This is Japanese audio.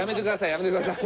やめてください。